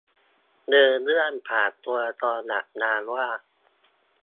เดินเรื่องผ่านตัวละครหลักนามว่า